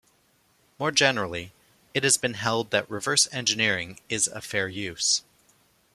More generally, it has been held that reverse engineering is a fair use.